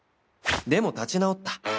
でも立ち直った